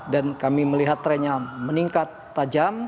dan kami melihat trennya meningkat tajam